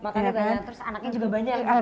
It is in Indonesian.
makannya banyak terus anaknya juga banyak kan